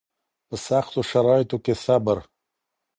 په سختو شرایطو کې صبر